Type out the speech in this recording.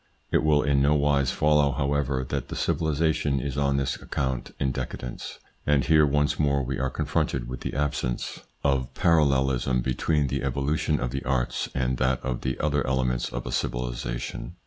It will in nowise follow, however, that the civilisation is on this account in decadence, and here once more we are confronted with the absence ITS INFLUENCE ON THEIR EVOLUTION 73 of parallelism between the evolution of the arts and that of the other elements of a civilisation.